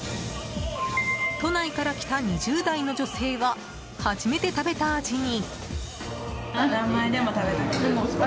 都内から来た２０代の女性は初めて食べた味に。